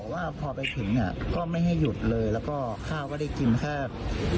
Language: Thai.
ไม่ต้องใช้หรือครับ